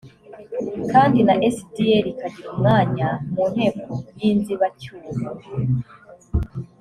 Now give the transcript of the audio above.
kandi na cdr ikagira umwanya mu nteko y inzibacyuho